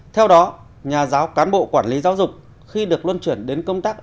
theo đó nhà giáo cán bộ quản lý giáo dục khi được luân chuyển đến công tác